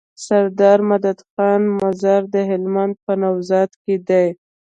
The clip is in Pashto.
دسردار مدد خان مزار د هلمند په نوزاد کی دی